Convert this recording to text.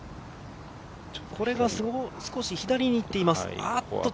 少し左に行っています。